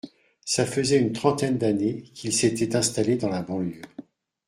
Ça faisait une trentaine d’années qu’il s’était installé dans la banlieue.